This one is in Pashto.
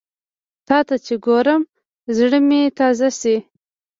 تاته چې ګورم، زړه مې تازه شي